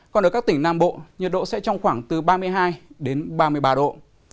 còn ở các tỉnh nam bộ nhiệt độ sẽ trong khoảng từ ba mươi hai đến ba mươi ba độ